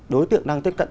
đối tượng đang tiếp cận